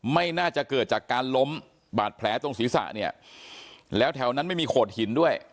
ไม่น่าจะเกิดจากการล้มบาดแผลตรงศีรษะเนี่ยแล้วแถวนั้นไม่มีโขดหินด้วย